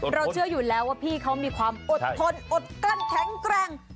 เชื่ออยู่แล้วว่าพี่เขามีความอดทนอดกลั้นแข็งแกร่ง